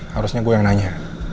harusnya gue yang nanya